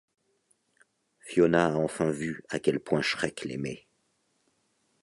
Fiona a enfin vu à quel point Shrek l'aimait.